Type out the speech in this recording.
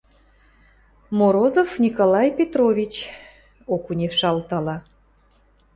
– Морозов Николай Петрович, – Окуневшы алтала.